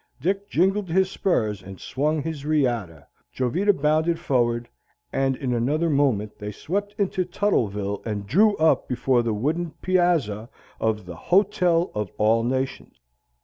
Dick jingled his spurs and swung his riata, Jovita bounded forward, and in another moment they swept into Tuttleville and drew up before the wooden piazza of "The Hotel of All Nations."